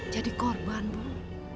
jadi korban bu